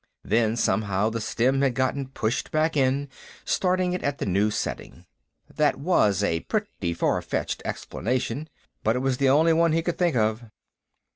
Then, somehow, the stem had gotten pushed back in, starting it at the new setting. That was a pretty far fetched explanation, but it was the only one he could think of.